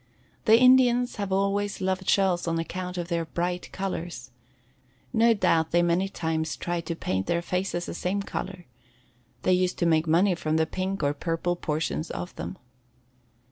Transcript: The Indians have always loved shells on account of their bright colors. No doubt they many times tried to paint their faces the same color. They used to make money from the pink or purple portions of them.